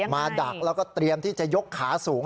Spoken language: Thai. ดักแล้วก็เตรียมที่จะยกขาสูง